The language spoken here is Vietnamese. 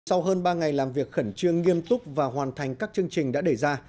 sau hơn ba ngày làm việc khẩn trương nghiêm túc và hoàn thành các chương trình đã đề ra